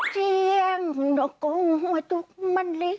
เจียงหุนนอกโกงหวัดดูกมันเล็ก